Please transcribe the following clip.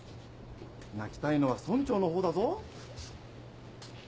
・泣きたいのは村長のほうだぞ。